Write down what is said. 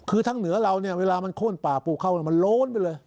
คือทางเหนือเราเนี่ยเวลามันโค้นป่าปลูกเข้ามันโล้นไปเลย